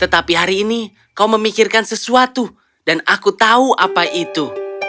tetapi hari ini kau memikirkan sesuatu dan aku tahu apa itu